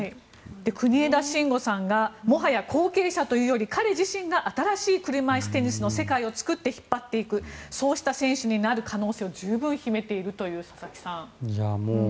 国枝慎吾さんがもはや後継者というより彼自身が新しい車いすテニスの世界を作って引っ張っていくそうした選手になる可能性を十分に秘めているという佐々木さん。